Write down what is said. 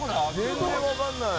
全然わかんない。